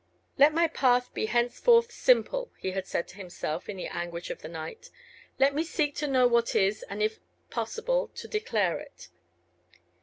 "Let my path be henceforth simple," he had said to himself in the anguish of that night; "let me seek to know what is, and if possible to declare it."